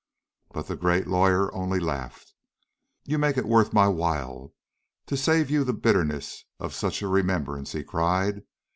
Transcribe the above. But the great lawyer only laughed. "You make it worth my while to save you the bitterness of such a remembrance," he cried.